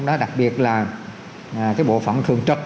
đặc biệt là bộ phận thường trực